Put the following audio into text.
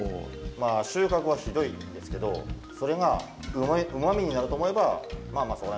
まあ収穫はひどいですけどそれがうまみになると思えばまあまあ。